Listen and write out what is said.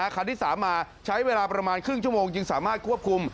คันที่๓มาใช้เวลาประมาณครึ่งชั่วโมงจึงสามารถควบคุม